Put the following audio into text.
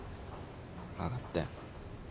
分かったよ。